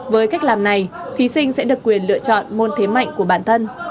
với cách làm này thí sinh sẽ được quyền lựa chọn môn thế mạnh của bản thân